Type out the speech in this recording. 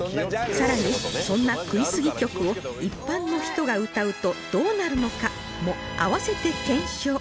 さらにそんな食いすぎ曲を一般の人が歌うとどうなるのかも併せて検証